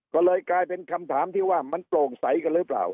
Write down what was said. ก็เลยกลายเป็นคำถามที่ว่ามันโปร่งใสกันหรือเปล่า